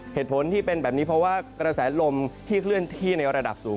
เหตุผลที่เป็นแบบนี้เพราะว่ากระแสลมที่เคลื่อนที่ในระดับสูง